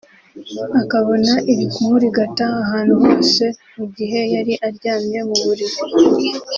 akabona iri kumurigata ahantu hose mu gihe yari aryamye mu buriri